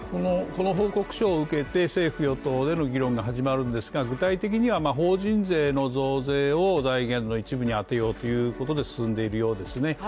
この報告書を受けて政府・与党での議論が始まるんですが、具体的には法人税の増税を財源の一部に充てようということで進んでいるようですね。